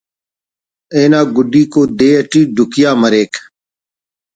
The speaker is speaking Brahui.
انا گڈیکو دے تیٹی ڈکھیا مریک